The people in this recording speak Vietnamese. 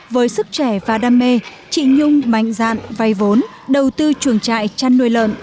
với sức trẻ và đam mê chị nhung mạnh dạn vay vốn đầu tư chuồng trại chăn nuôi lợn